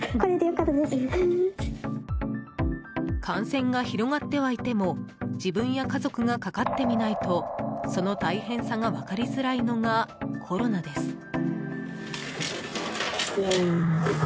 感染が広がってはいても自分や家族がかかってみないとその大変さが分かりづらいのがコロナです。